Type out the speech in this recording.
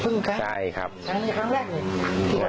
พึ่งครับครั้งนี้ครั้งแรก